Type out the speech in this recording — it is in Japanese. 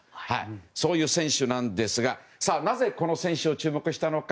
そういう選手なんですがなぜ、この選手の注目したのか。